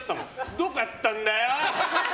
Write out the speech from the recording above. どこやったんだよ！